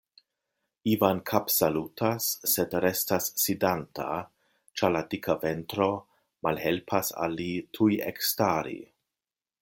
Ivan kapsalutas, sed restas sidanta, ĉar la dika ventro malhelpas al li tuj ekstari.